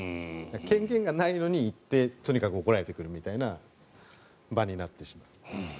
権限がないのに行ってとにかく怒られてくるみたいな場になってしまう。